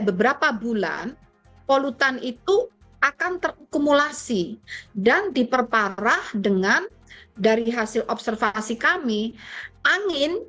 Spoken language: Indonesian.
beberapa bulan polutan itu akan terkumulasi dan diperparah dengan dari hasil observasi kami angin